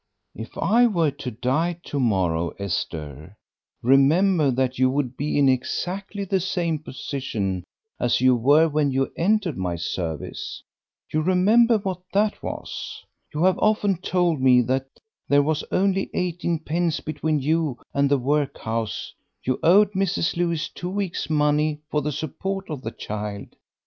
"If I were to die to morrow, Esther, remember that you would be in exactly the same position as you were when you entered my service. You remember what that was? You have often told me there was only eighteen pence between you and the workhouse; you owed Mrs. Lewis two weeks' money for the support of the child.